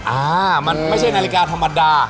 อ่ามันไม่ใช่นาฬิกาธรรมดา